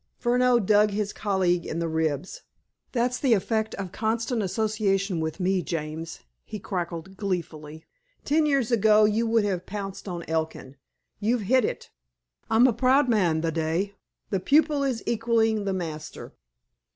Furneaux dug his colleague in the ribs. "That's the effect of constant association with me, James," he cackled gleefully. "Ten years ago you would have pounced on Elkin. You've hit it! I'm a prood mon the day. The pupil is equaling the master."